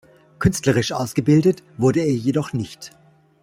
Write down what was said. Künstlerisch ausgebildet wurde er jedoch nicht.